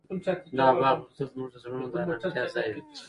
دا باغ به تل زموږ د زړونو د ارامتیا ځای وي.